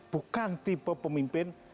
bukan tipe pemimpin